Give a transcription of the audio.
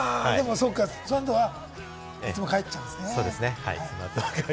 そっか、その後はいつも帰っちゃうんですね。